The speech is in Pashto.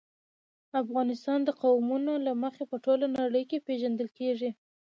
افغانستان د قومونه له مخې په ټوله نړۍ کې پېژندل کېږي.